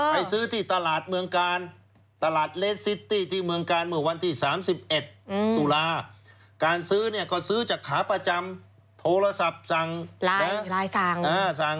ซื้อที่ตลาดเมืองกาลตลาดเลสซิตี้ที่เมืองกาลเมื่อวันที่๓๑ตุลาการซื้อเนี่ยก็ซื้อจากขาประจำโทรศัพท์สั่ง